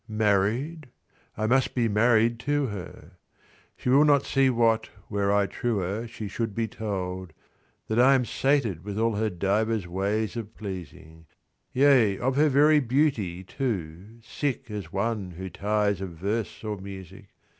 Married ? I must be married to her. She will not see what, were I truer She should be told, that I am sated With all her divers ways of pleasing ; Yea, of her very beauty too, sick As one who tires of verse or music.